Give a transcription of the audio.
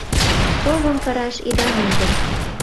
Совым кыраш ида мондо.